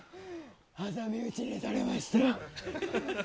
挟み撃ちにされました。